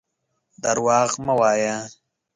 درواغ مه وايه.